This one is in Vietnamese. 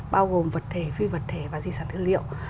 bao gồm vật thể phi vật thể và di sản tư liệu